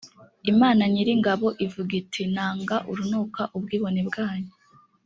imana nyiringabo ivuga iti “nanga urunuka ubwibone bwanyu”